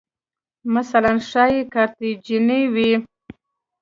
مثلاً ښایي کارتیجني وې